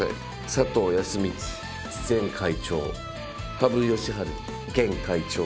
佐藤康光前会長羽生善治現会長